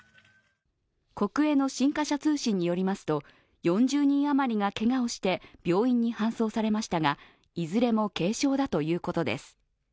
国営の新華社通信によりますと４０人余りがけがをして病院に搬送されましたが、いずれも軽傷だということです。